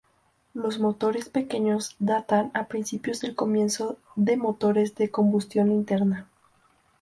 Los motores pequeños datan a principios del comienzo de motores de combustión interna.